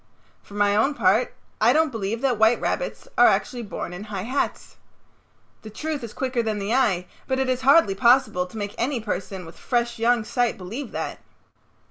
For my own part I don't believe that white rabbits are actually born in high hats. The truth is quicker than the eye, but it is hardly possible to make any person with fresh young sight believe that.